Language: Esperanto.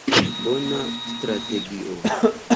Bona strategio.